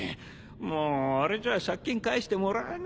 もうあれじゃあ借金返してもらえねえよ。